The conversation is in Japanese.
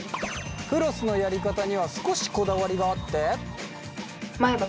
フロスのやり方には少しこだわりがあって。